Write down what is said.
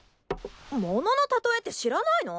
もののたとえって知らないの？